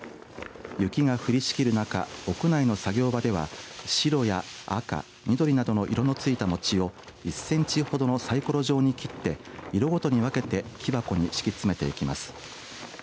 雪が吹き降りしきる中屋内の作業場では白や赤、緑などの色のついたもちを１センチほどのサイコロ状に切って色ごとに分けて木箱に敷き詰めていきます。